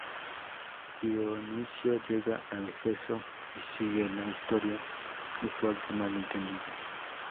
Dionisio llega a Éfeso y sigue la historia usual de malentendidos.